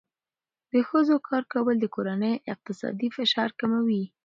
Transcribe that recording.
د ښځو کار کول د کورنۍ اقتصادي فشار کموي.